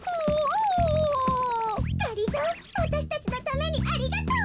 がりぞーわたしたちのためにありがとう。